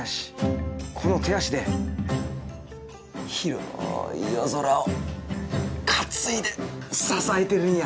この手足で広い夜空を担いで支えてるんや。